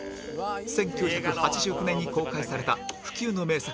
１９８９年に公開された不朽の名作